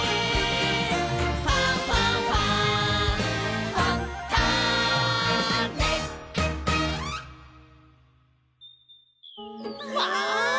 「ファンファンファン」わ！